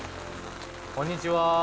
こんにちは。